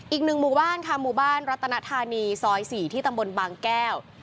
อีกหนึ่งหมู่บ้านค่ะหมู่บ้านรัตนธานีซอย๔ที่ตำบลบางแก้ว